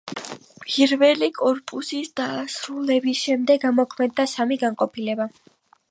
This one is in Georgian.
პირველი კორპუსის დასრულების შემდეგ ამოქმედდა სამი განყოფილება.